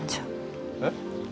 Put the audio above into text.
えっ？